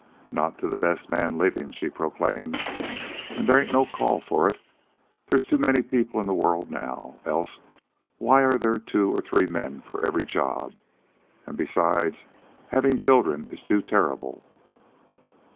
"Not to the best man living," she proclaimed. "And there ain't no call for it. There's too many people in the world now, else why are there two or three men for every job? And, besides, havin' children is too terrible."